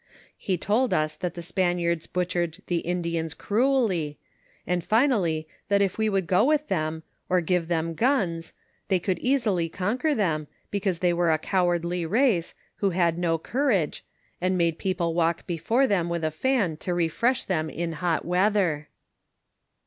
He told us that the Spaniards butchered the Indians cruelly, and finally that if we would go with them, or give them guns, they could easily conquer them, because they were a cowardly race, who had no courage, and made people walk before them with a fan to refresh them in hot weather.